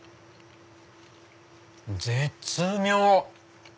絶妙！